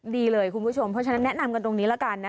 ดีเลยคุณผู้ชมเพราะฉะนั้นแนะนำกันตรงนี้ละกันนะ